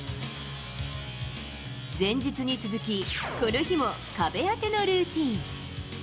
前日に続き、この日も壁当てのルーティン。